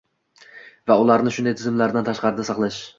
va ularni shunday tizimlardan tashqarida saqlash